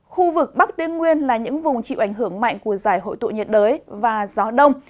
khu vực bắc tây nguyên là những vùng chịu ảnh hưởng mạnh của giải hội tụ nhiệt đới và gió đông